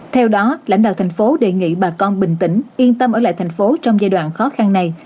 theo đó lãnh đạo thành phố đề nghị bà con bình tĩnh yên tâm ở lại thành phố trong giai đoạn khó khăn này